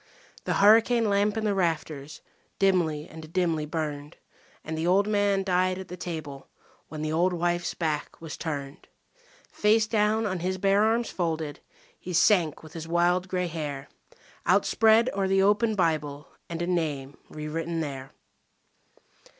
The hurricane lamp in the rafters dimly and dimly burned; And the old man died at the table when the old wife's back was turned. Face down on his bare arms folded he sank with his wild grey hair Outspread o'er the open Bible and a name re written there.